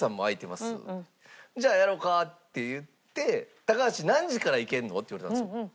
じゃあやろうかって言って高橋何時からいけるの？って言われたんですよ。